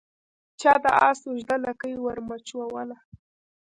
چا د آس اوږده لکۍ ور مچوله